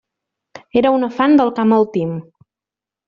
Era una fan del Camel Team.